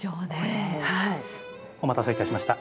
お待たせいたしました。